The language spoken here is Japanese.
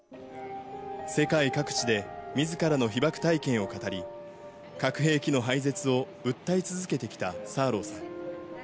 世界各地でみずからの被爆体験を語り、核兵器の廃絶を訴え続けてきたサーローさん。